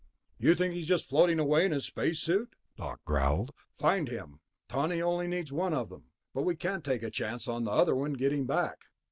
"You think he just floated away in his space suit?" Doc growled. "Find him. Tawney only needs one of them, but we can't take a chance on the other one getting back...."